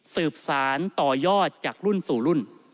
สืบสารต่อยอดจากรุ่นสู่รุ่น